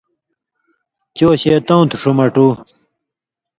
”چو شېطؤں تُھو ݜُو مٹُو“۔